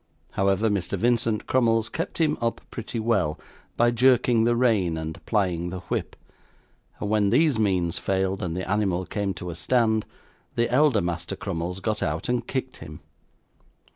However, Mr. Vincent Crummles kept him up pretty well, by jerking the rein, and plying the whip; and when these means failed, and the animal came to a stand, the elder Master Crummles got out and kicked him.